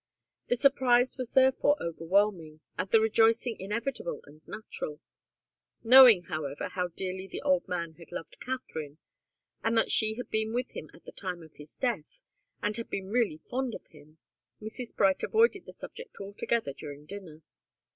The surprise was therefore overwhelming, and the rejoicing inevitable and natural. Knowing, however, how dearly the old man had loved Katharine, and that she had been with him at the time of his death and had been really fond of him, Mrs. Bright avoided the subject altogether during dinner.